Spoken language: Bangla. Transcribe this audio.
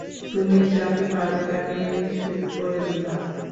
তুমি যাকে পাবে তাকেই শ্যুট করে দিবা।